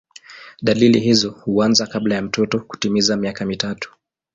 Dalili hizo huanza kabla ya mtoto kutimiza miaka mitatu.